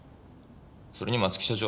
それに松木社長